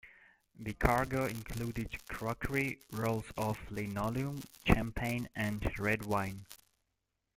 The cargo included crockery, rolls of linoleum, champagne and red wine.